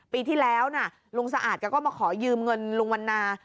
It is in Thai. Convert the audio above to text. ปีที่แล้วนะลุงสะอาดแกก็มาขอยืมเงินลุงวันนา